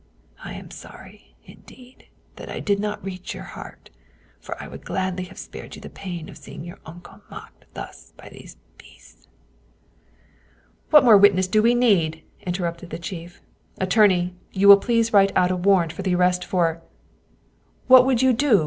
I am sorry, indeed, that I did not reach your heart, for I would gladly have spared you the pain of seeing your uncle mocked thus by these beasts !"" What more witness do we need ?" interrupted the chief. " Attorney, you will please write out a warrant of arrest for %" What would you do